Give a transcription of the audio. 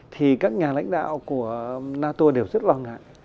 thì các nhà lãnh đạo của nato đều rất lo ngại